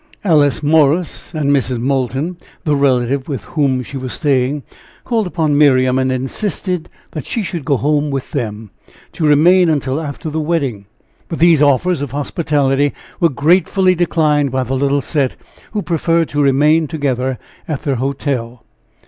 Alice Morris and Mrs. Moulton, the relative with whom she was staying, called upon Miriam, and insisted that she should go home with them, to remain until after the wedding. But these offers of hospitality were gratefully declined by the little set, who preferred to remain together at their hotel.